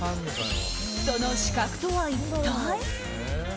その資格とは一体？